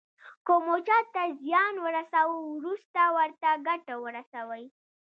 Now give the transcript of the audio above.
که مو چاته زیان ورساوه وروسته ورته ګټه ورسوئ.